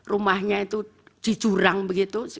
rumahnya itu di jurang begitu